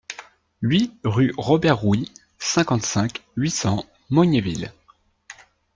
huit rue Robert Rouy, cinquante-cinq, huit cents, Mognéville